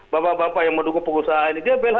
bapak bapak yang mendukung pengusaha ini dia bela